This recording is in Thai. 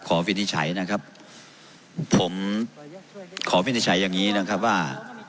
วินิจฉัยนะครับผมขอวินิจฉัยอย่างนี้นะครับว่า